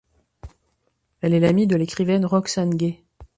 Elle est l'amie de l'écrivaine Roxane Gay.